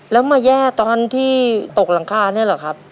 แล้วมาแย่ตอนที่ตกหลังคาเนี่ยเหรอครับ